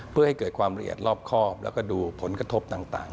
เพื่อให้เกิดความละเอียดรอบครอบแล้วก็ดูผลกระทบต่าง